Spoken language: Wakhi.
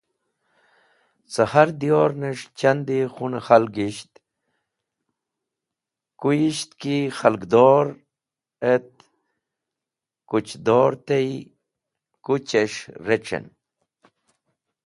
Cẽ har diyor’nes̃h chandi khun-e khalgisht, kuyisht ki khalgdor et kũchdor tey, kuches̃h rec̃hen.